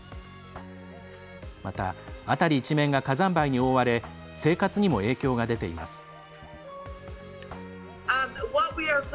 また、辺り一面が火山灰に覆われ生活にも影響が出ています。